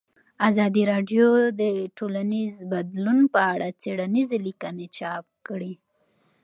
ازادي راډیو د ټولنیز بدلون په اړه څېړنیزې لیکنې چاپ کړي.